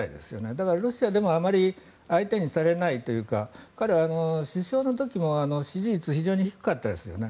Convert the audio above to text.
だから、ロシアでもあまり相手にされないというか彼は首相の時も支持率が非常に低かったですね。